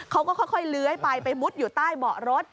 เขาก็ค่อยเลื้อยไปไปมุดอยู่ใต้เบาะรถ